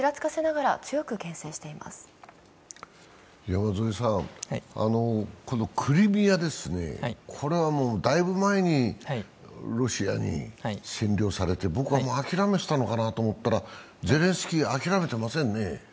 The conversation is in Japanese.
山添さん、クリミアはだいぶ前にロシアに占領されて、僕はもう諦めていたのかと思ったら、ゼレンスキー、諦めてませんね。